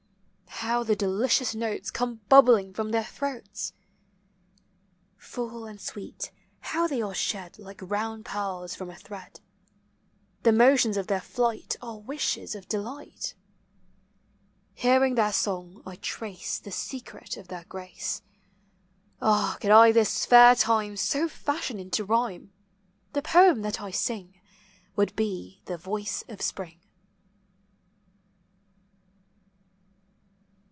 How the delicious notes come bubbling from their throats! ANIMATE NATURE. 329 Full and sweet, how they are shed like round pearls from a thread, The motions of their (light are wishes of delight. Hearing their song, I trace the secret of their grace. Ah, could I this fair time so fashion into rhyme, The poem that I sing w r ould be the voice of spring.